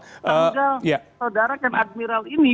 sehingga saudara ken admiral ini